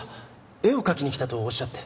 絵を描きに来たとおっしゃって。